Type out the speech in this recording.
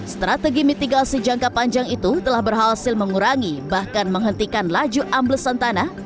strategi mitigasi jangka panjang itu telah berhasil mengurangi bahkan menghentikan laju amblesan tanah